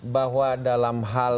bahwa dalam hal